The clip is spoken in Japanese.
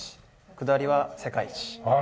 下りは世界一。